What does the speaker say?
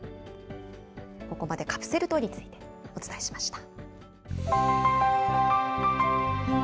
ここまでカプセルトイについてお伝えしました。